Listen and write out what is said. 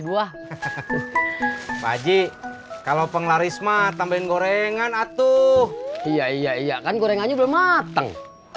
buah paji kalau penglarisma tambahin gorengan atuh iya iya iya kan gorengannya belum mateng